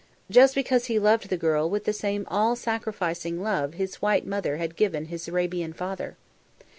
Just because he loved the girl with the same all sacrificing love his white mother had given his Arabian father.